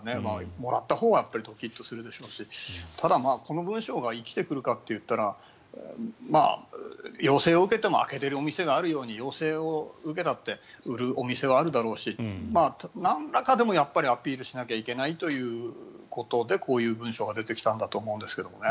もらったほうはドキッとするでしょうしただ、この文書が生きてくるかといったら要請を受けても開けているお店があるように要請を受けたって売るお店はあるだろうしなんらか、でもやっぱりアピールしなきゃいけないということでこういう文書が出てきたんだと思うんですけどね。